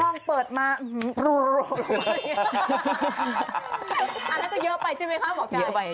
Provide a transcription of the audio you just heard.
เปิดมารัวอันนั้นก็เยอะไปใช่ไหมคะหมอไก่